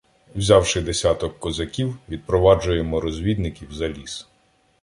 Взявши десяток козаків, відпроваджуємо розвідників за ліс.